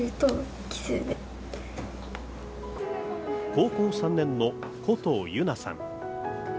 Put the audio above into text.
高校３年の古藤優菜さん。